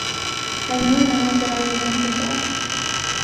I know now that I was wrong to try.